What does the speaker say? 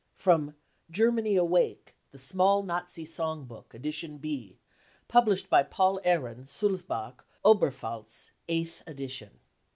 [From Germany Awake ! the small Nazi song book, Edition B, published by Paul Arend, Sulzbach, Oberp falz, 8th (!) Edition.